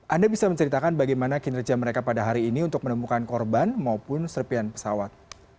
anda bisa menceritakan bagaimana kinerja mereka pada hari ini untuk menemukan korban maupun serpian pesawat